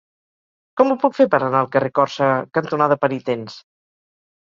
Com ho puc fer per anar al carrer Còrsega cantonada Penitents?